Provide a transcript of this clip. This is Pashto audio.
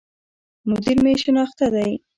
مدير مي شناخته دی